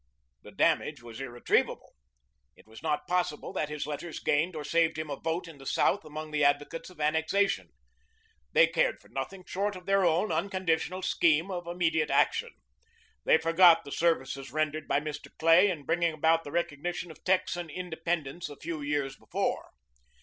The damage was irretrievable. It is not probable that his letters gained or saved him a vote in the South among the advocates of annexation. They cared for nothing short of their own unconditional scheme of immediate action. They forgot the services rendered by Mr. Clay in bringing about the recognition of Texan independence a few years before.